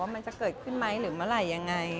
มันจะเกิดขึ้นไหมหรือเมื่อไหร่ยังไง